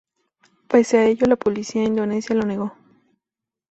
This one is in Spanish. Pese a ello, la policía indonesia lo negó.